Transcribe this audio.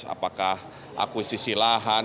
apakah akuisisi lahan